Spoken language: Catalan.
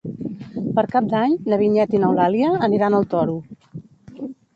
Per Cap d'Any na Vinyet i n'Eulàlia aniran al Toro.